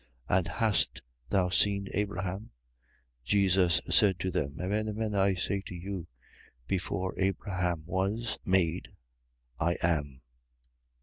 And hast thou seen Abraham? 8:58. Jesus said to them: Amen, amen, I say to you, before Abraham was made, I AM.